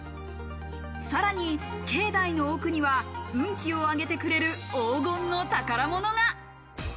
さらに境内の奥には運気を上げてくれる黄金の宝物が。